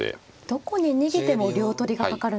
どこに逃げても両取りがかかるんですね。